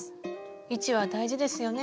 位置は大事ですよね。